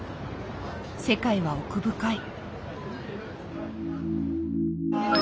世界は奥深い。